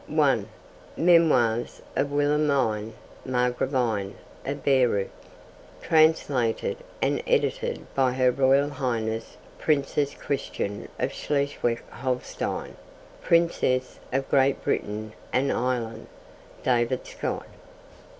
(1) Memoirs of Wilhelmine Margravine of Baireuth. Translated and edited by Her Royal Highness Princess Christian of Schleswig Holstein, Princess of Great Britain and Ireland. (David Stott.)